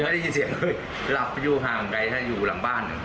ได้ยินเสียงเลยหลับอยู่ห่างไกลอยู่หลังบ้าน